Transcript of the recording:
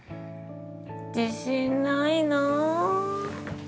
自信ないな。